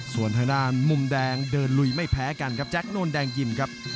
ส่วนทางด้านมุมแดงเดินลุยไม่แพ้กันครับแจ๊คนนวลแดงยิมครับ